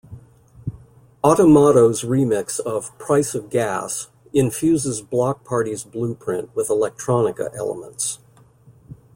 Automato's remix of "Price of Gas" infuses Bloc Party's blueprint with electronica elements.